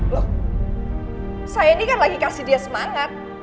loh saya ini kan lagi kasih dia semangat